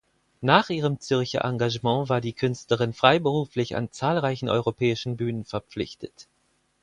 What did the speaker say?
Nach ihrem Zürcher Engagement war die Künstlerin freiberuflich an zahlreichen europäischen Bühnen verpflichtet.